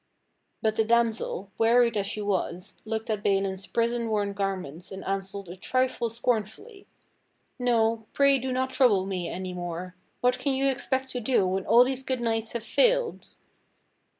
But the damsel, w^earied as she w^as, looked at Balin's prison worn garments and answered a trifle scornfully. "No, pray do not trouble me any more. What can you expect to do wdien all these good knights liave failed?"